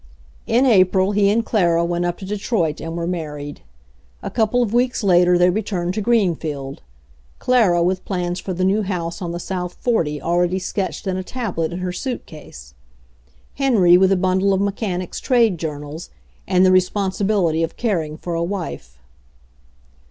In April he and Clara went up to Detroit and were married. A couple of weeks later they re turned to Greenfield, Clara with plans for the new house on the south forty already sketched in a tablet in her suitcase; Henry with a bundle of mechanics' trade journals, and the responsibility of caring for a wife.